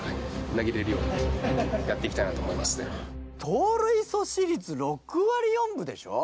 盗塁阻止率６割４分でしょ？